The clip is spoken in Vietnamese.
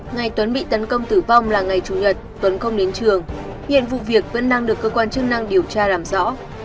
ngày tuấn bị tấn công tử vong là ngày chủ nhật tuấn không đến trường hiện vụ việc vẫn đang được cơ quan chức năng điều tra làm rõ